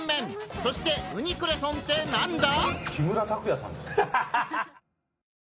そして「ウニクレソン」って何だ！？